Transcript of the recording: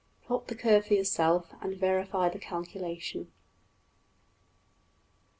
Plot the curve for yourself, and verify the calculation.